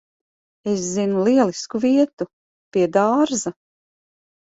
Es zinu lielisku vietu. Pie dārza.